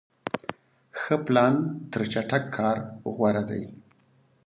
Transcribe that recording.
ښه پلان تر چټک کار غوره دی.